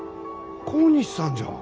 小西さんじゃん。